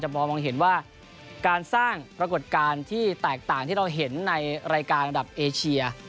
ปรากฏการณ์ที่แตกต่างที่เราเห็นในรายการอันดับเอเชีย